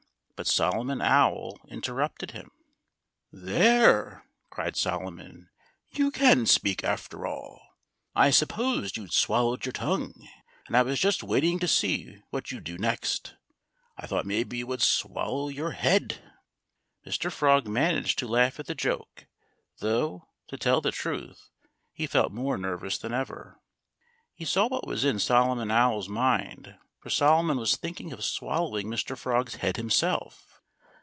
But Solomon Owl interrupted him. "There!" cried Solomon. "You can speak, after all. I supposed you'd swallowed your tongue. And I was just waiting to see what you'd do next. I thought maybe you would swallow your head." Mr. Frog managed to laugh at the joke, though, to tell the truth, he felt more nervous than ever. He saw what was in Solomon Owl's mind, for Solomon was thinking of swallowing Mr. Frog's head himself.